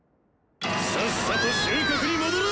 「さっさと収穫に戻れ！